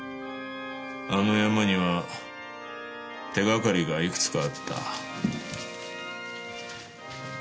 あのヤマには手掛かりがいくつかあった。